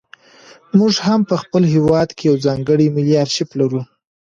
موږ هم په خپل هېواد کې یو ځانګړی ملي ارشیف لرو.